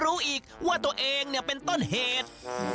รู้อีกว่าตัวเองเนี่ยเป็นต้นเหตุ